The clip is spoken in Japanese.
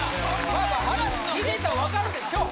まず話聞いていったらわかるでしょう。